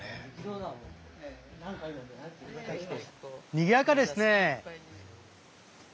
・にぎやかですね！